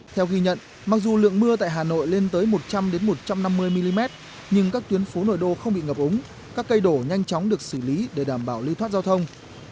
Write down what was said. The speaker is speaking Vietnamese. theo ghi nhận mặc dù lượng mưa tại hà nội lên tới một trăm linh một trăm năm mươi mm nhưng các tuyến phố nội đô không bị ngập ống các cây đổ nhanh chóng được xử lý để đảm bảo lưu thoát giao thông